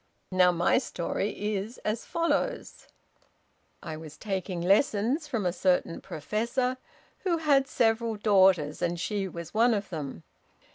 Now, my story is as follows: "I was taking lessons from a certain professor, who had several daughters, and she was one of them.